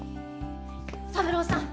三郎さん